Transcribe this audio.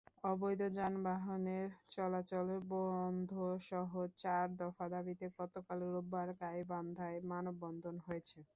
অবৈধ যানবাহনের চলাচল বন্ধসহ চার দফা দাবিতে গতকাল রোববার গাইবান্ধায় মানববন্ধন হয়েছে।